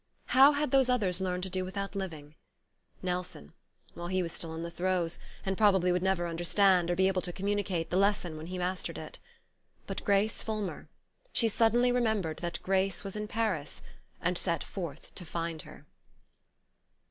How had those others learned to do without living? Nelson well, he was still in the throes; and probably never would understand, or be able to communicate, the lesson when he had mastered it. But Grace Fulmer she suddenly remembered that Grace was in Paris, and set forth to find her.